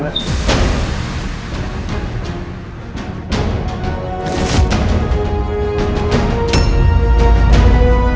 tidak ada yang bisa dikira itu adalah adiknya